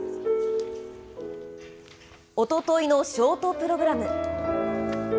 おとといのショートプログラム。